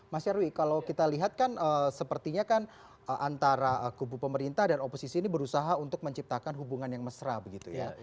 mas nyarwi kalau kita lihat kan sepertinya kan antara kubu pemerintah dan oposisi ini berusaha untuk menciptakan hubungan yang mesra begitu ya